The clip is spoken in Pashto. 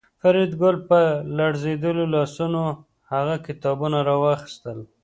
فریدګل په لړزېدلو لاسونو هغه کتابونه راواخیستل